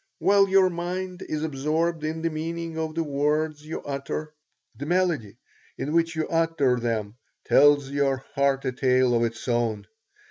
While your mind is absorbed in the meaning of the words you utter, the melody in which you utter them tells your heart a tale of its own.